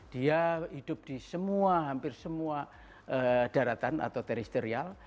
dia hidup di semua hampir semua daratan atau teristerial